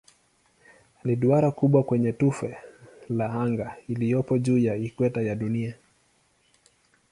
Ni duara kubwa kwenye tufe la anga iliyopo juu ya ikweta ya Dunia.